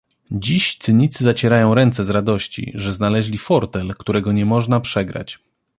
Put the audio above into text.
Dziś cynicy zacierają ręce z radości, że znaleźli fortel, którego nie można przegrać